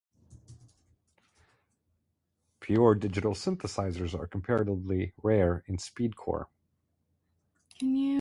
Pure digital synthesizers are comparatively rare in speedcore.